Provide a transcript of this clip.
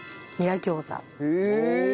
へえ！